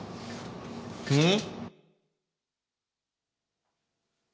うん？